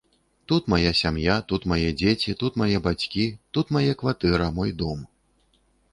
Тут мая сям'я, тут мае дзеці, тут мае бацькі, тут мае кватэра, мой дом.